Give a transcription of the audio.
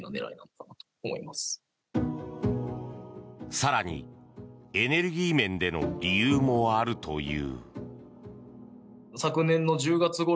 更にエネルギー面での理由もあるという。